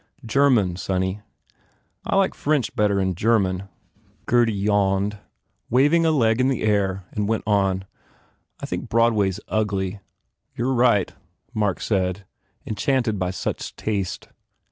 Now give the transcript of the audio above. "German, sonny." "I like French better n German," Gurdy 57 THE FAIR REWARDS yawned, waving a leg in the air and went on, "I think Broadway s ugly." "You re right," said Mark, enchanted by such taste.